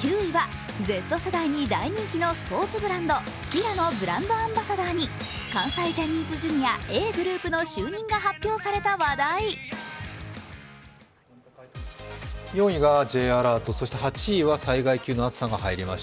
９位は、Ｚ世代に大人気のスポーツブランド、ＦＩＬＡのブランドアンバサダーに関西ジャニーズＪｒ．Ａぇ！ｇｒｏｕｐの就任が発表された話題４位がＪアラート、８位が災害級の暑さが入りました。